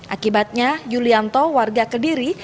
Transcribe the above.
akibatnya yulianto warga kediri